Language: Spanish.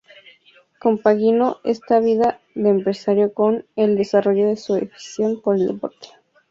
Compaginó esta vida de empresario con el desarrollo de su afición por el deporte.